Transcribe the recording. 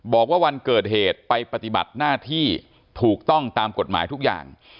บอกว่าวันเกิดเหตุไปปฏิบัติหน้าที่ถูกต้องตามกฎหมายทุกอย่าง